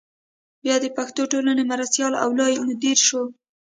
بیا د پښتو ټولنې مرستیال او لوی مدیر شو.